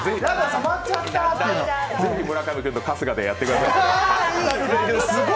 ぜひ村上君と春日でやってください。